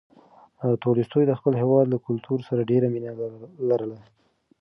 تولستوی د خپل هېواد له کلتور سره ډېره مینه لرله.